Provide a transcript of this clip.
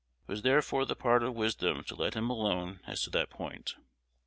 It was therefore the part of wisdom to let him alone as to that point.